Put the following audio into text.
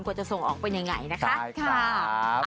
กว่าจะส่งออกเป็นยังไงนะคะใช่ครับ